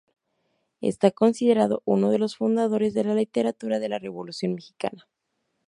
Está considerado uno de los fundadores de la literatura de la Revolución Mexicana.